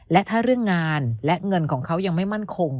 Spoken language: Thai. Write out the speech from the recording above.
และถ้าเรื่องงานและเงินของเขายังไม่มั่นคง